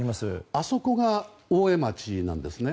あそこが大江町なんですね。